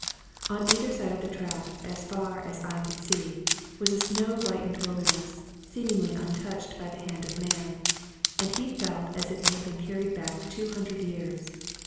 On either side of the track, as far as eye could see, was a snow whitened wilderness, seemingly untouched by the hand of man, and he felt as if he had been carried back two hundred years.